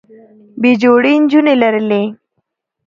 بې جوړې نجونې لرلې